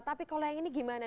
tapi kalau yang ini gimana